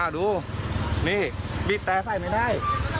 ดูนี่บีบแต่ใส่ไม่ได้